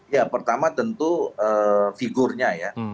ya pertama tentu figurnya ya